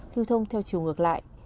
điều thông theo chiều ngược lại